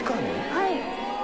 はい。